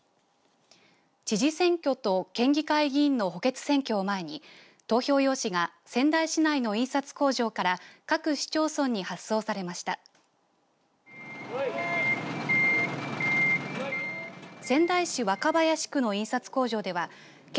知事選挙と県議会議員の補欠選挙を前に投票用紙が仙台市内の印刷工場から各市町村に発送されました。